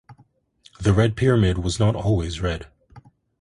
The Red Pyramid was not always red.